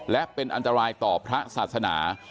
และเป็นอันตรายต่อพระศาสนา